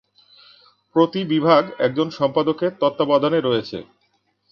প্রতি বিভাগ একজন সম্পাদকের তত্ত্বাবধানে রয়েছে।